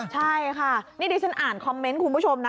ใช่ค่ะนี่ดิฉันอ่านคอมเมนต์คุณผู้ชมนะ